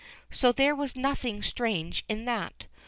So there was nothing strange in that.